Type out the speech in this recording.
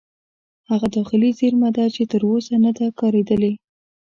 هغه داخلي زیرمه ده چې تر اوسه نه ده کارېدلې.